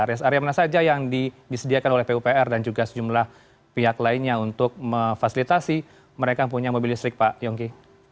res area mana saja yang disediakan oleh pupr dan juga sejumlah pihak lainnya untuk memfasilitasi mereka yang punya mobil listrik pak yonggi